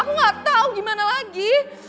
aku gak tau gimana lagi